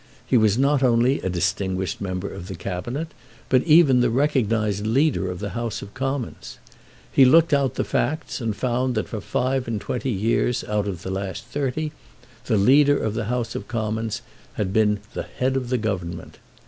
He was not only a distinguished member of the Cabinet, but even the recognised Leader of the House of Commons. He looked out the facts and found that for five and twenty years out of the last thirty the Leader of the House of Commons had been the Head of the Government.